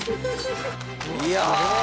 いや！